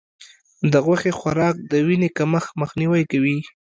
د غوښې خوراک د وینې کمښت مخنیوی کوي.